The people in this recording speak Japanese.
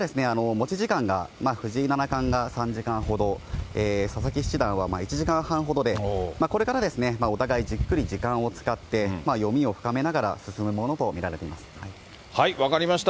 持ち時間が藤井七冠が３時間ほど、佐々木七段は１時間半ほどで、これからお互いじっくり時間を使って、読みを深めながら進むもの分かりました。